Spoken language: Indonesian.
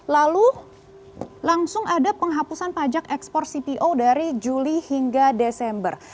lalu langsung ada penghapusan pajak ekspor cpo dari juli hingga desember